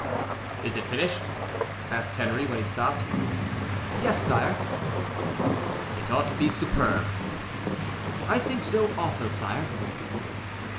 "Is it finished?" asked Henri, when he stopped. "Yes, sire." "It ought to be superb." "I think so, also, sire."